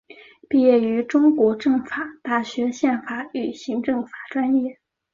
毕业于中国政法大学宪法与行政法专业。